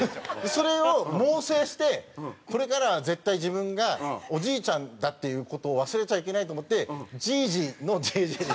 それを猛省してこれからは絶対自分がおじいちゃんだっていう事を忘れちゃいけないと思って「じいじ」の「Ｊ・Ｊ」で。